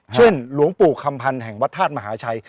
หลวงปู่คำพันธ์แห่งวัดธาตุมหาชัย